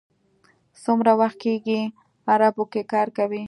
څومره وخت کېږي عربو کې کار کوئ.